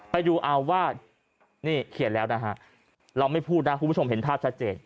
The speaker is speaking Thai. อาวาสนี่เขียนแล้วนะฮะเราไม่พูดนะคุณผู้ชมเห็นภาพชัดเจน